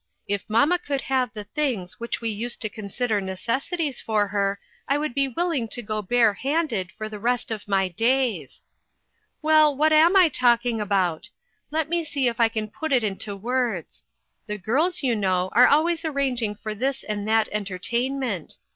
If mamma could have the things which we used to consider necessities for her I would be willing to go bare handed for the rest of my days. A FAMILY SECRET. 429 "Well, what am I talking about? Let me see if I can put it into words. The girls, you know, are always arranging for this and that entertainment.